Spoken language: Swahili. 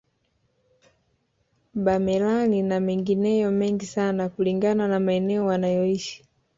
Bamerani na mengineyo mengi sana kulingana na maeneo wanayoishi